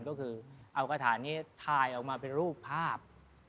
ก็คือเอากระถานี้ถ่ายออกมาเป็นรูปภาพ